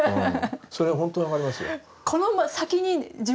それは本当に分かりますよ。